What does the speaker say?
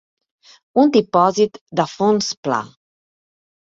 Un dipòsit de fons pla.